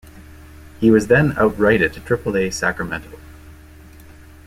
He was than outrighted to Triple-A Sacramento.